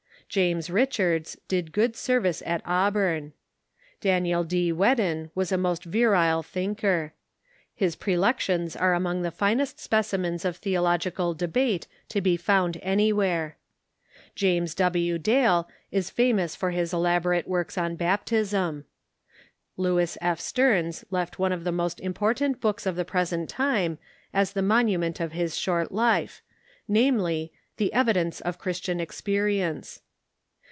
James Richards did good service at Auburn. Daniel D. Whedon was a most virile thinker. His prelections are among the finest specimens of theological debate to be found anywhere. .James W. Dale is famous for his elaborate works on baptism. Lewis F. Stearns left one of the most im portant books of the present time as the monument of his short life — namely, "The Evidence of Christian Experience."